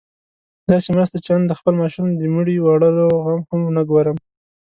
داسې مرسته چې آن د خپل ماشوم د مړي وړلو غم هم ونه ګورم.